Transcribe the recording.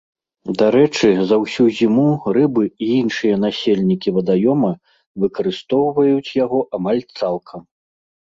Дарэчы, за ўсю зіму рыбы і іншыя насельнікі вадаёма выкарыстоўваюць яго амаль цалкам.